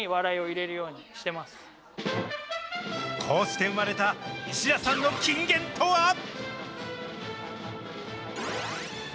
こうして生まれた、石田さんの金言とは。